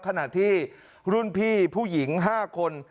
ขณะที่รุ่นพี่ผู้หญิง๕คน